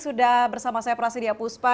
sudah bersama saya prasidya puspa